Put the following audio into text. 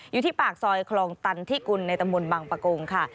อยู่ที่ปากซอยคลองตันที่กุลในตำบลบังปะโกงค่ะ